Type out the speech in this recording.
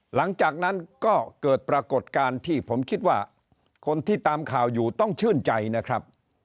หลังจากนั้นก็เกิดปรากฏการณ์ที่ผมคิดว่าคนที่ตามข่าวอยู่ต้องชื่นใจนะครับ